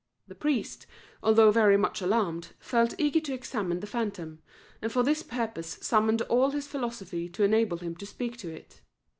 The priest, although very much alarmed, felt eager to examine the phantom, and for this purpose summoned all his philosophy to enable him to speak to it.